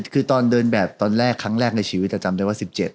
คือตอนเดินแบบตอนแรกครั้งแรกในชีวิตจะจำได้ว่า๑๗